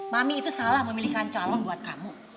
mami itu salah memilihkan calon buat kamu